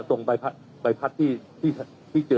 โน่นจากใบพัดที่ส่งตรวจค่ะ